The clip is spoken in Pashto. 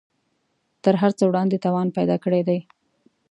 تر هر څه وړاندې توان پیدا کړی دی